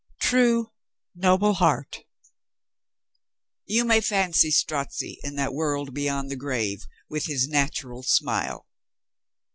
True, noble heart ! You may fancy Strozzi in that world beyond the grave with his natural smile